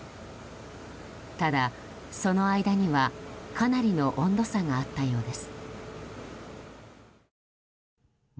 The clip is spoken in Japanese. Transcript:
ただ、その間にはかなりの温度差があったようです。